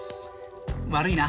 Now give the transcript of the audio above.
悪いな。